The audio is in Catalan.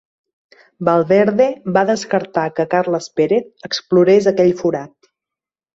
Valverde va descartar que Carles Pérez explorés aquell forat.